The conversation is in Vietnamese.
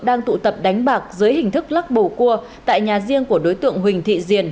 đang tụ tập đánh bạc dưới hình thức lắc bầu cua tại nhà riêng của đối tượng huỳnh thị diền